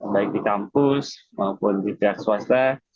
baik di kampus maupun di pihak swasta